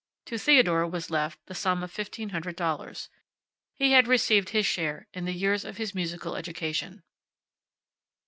To Theodore was left the sum of fifteen hundred dollars. He had received his share in the years of his musical education.